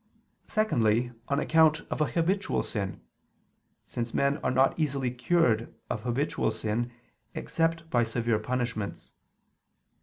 Secondly, on account of a habitual sin, since men are not easily cured of habitual sin except by severe punishments.